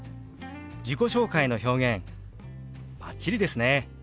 自己紹介の表現バッチリですね！